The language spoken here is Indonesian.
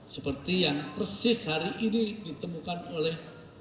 seperti yang persis hari ini ditemukan oleh